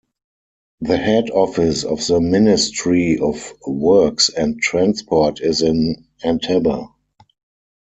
The head office of the Ministry of Works and Transport is in Entebbe.